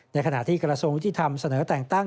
ในขณะที่กระทรวงยุติธรรมเสนอแต่งตั้ง